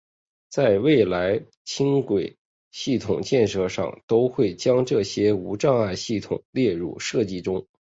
在未来轻轨系统建设上都会将这些无障碍系统列入设计中。